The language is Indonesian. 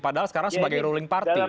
padahal sekarang sebagai ruling party